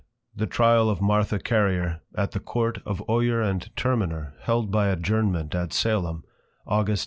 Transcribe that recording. V. THE TRIAL OF MARTHA CARRIER, AT THE COURT OF OYER AND TERMINER, HELD BY ADJOURNMENT AT SALEM, AUGUST 2.